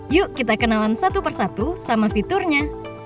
yuk kita kenalan satu persatu sama fiturnya